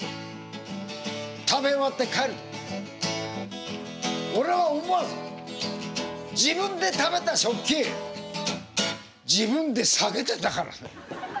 食べ終わって帰る時俺は思わず自分で食べた食器自分で下げてんだからね。